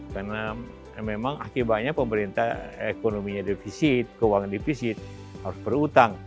karena memang akibatnya pemerintah ekonominya defisit keuangan defisit harus berutang